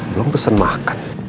belom pesen makan